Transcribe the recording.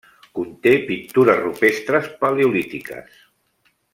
Conté pintures rupestres paleolítiques.